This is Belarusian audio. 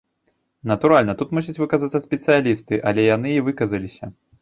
Натуральна, тут мусяць выказацца спецыялісты, але яны і выказаліся.